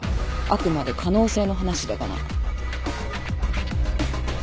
あくまで可能性の話だがな。